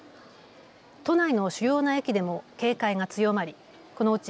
都内の主要な駅でも警戒が強まりこのうち